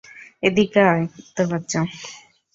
এদিকে আয়, কুত্তার বাচ্চা!